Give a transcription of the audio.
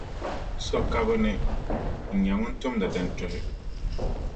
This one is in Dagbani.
so ka bɛ ni n-nyɛ ŋun tumdi din tuhi.